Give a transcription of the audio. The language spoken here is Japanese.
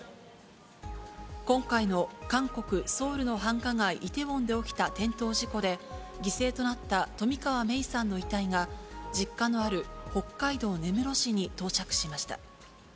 今回の韓国・ソウルの繁華街、イテウォンで起きた転倒事故で、犠牲となった冨川芽生さんの遺体が、実家のある北海道根室市に到